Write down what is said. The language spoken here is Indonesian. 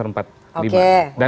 undangan cnn sebelumnya mbak soekar